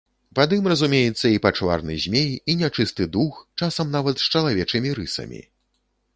Пад ім разумеецца і пачварны змей, і нячысты дух, часам нават з чалавечымі рысамі.